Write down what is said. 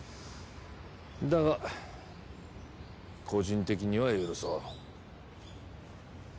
だが個人的には許そう。